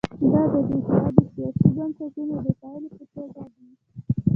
دا د دې هېواد د سیاسي بنسټونو د پایلې په توګه دي.